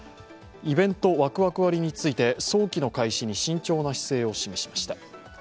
イベントワクワク割について早期の開始に慎重な姿勢を示しました。